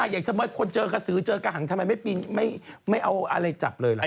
อย่างสมมุติคนเจอกระสือเจอกระหังทำไมไม่เอาอะไรจับเลยล่ะ